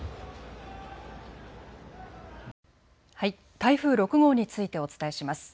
台風６号についてお伝えします。